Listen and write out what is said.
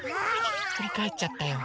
ひっくりかえっちゃったよ。